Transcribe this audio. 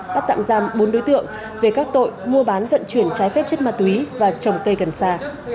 bắt tạm giam bốn đối tượng về các tội mua bán vận chuyển trái phép chất ma túy và trồng cây gần xa